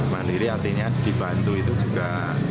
mandiri artinya dibantu itu juga